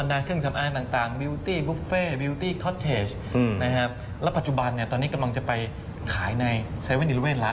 แล้วปัจจุบันเนี่ยตอนนี้กำลังจะไปขายใน๗๑๑ละ